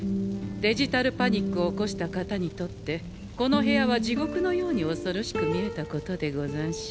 デジタルパニックを起こした方にとってこの部屋は地獄のように恐ろしく見えたことでござんしょう。